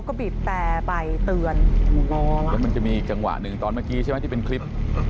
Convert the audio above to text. ก็มันจะมีจังหวะหนึ่งตอนเมื่อกี้ใช่ไหมเวลาเป็นคลิป